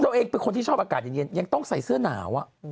ตัวเองเป็นคนที่ชอบอากาศเย็นยังต้องใส่เสื้อหนาว